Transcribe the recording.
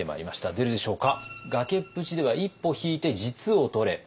出るでしょうか。